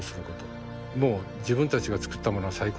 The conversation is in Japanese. もう「自分たちが作ったものは最高」